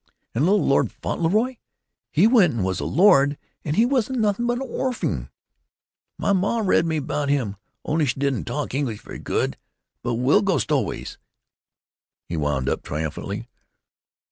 And Little Lord Fauntleroy. He went and was a lord, and he wasn't nothing but a' orphing. My ma read me about him, only she don't talk English very good, but we'll go stow'ways," he wound up, triumphantly.